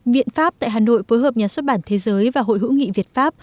viện pháp tại hà nội phối hợp nhà xuất bản thế giới và hội hữu nghị việt pháp